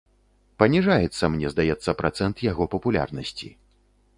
Паніжаецца, мне здаецца, працэнт яго папулярнасці.